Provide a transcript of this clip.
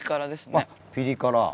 あっピリ辛。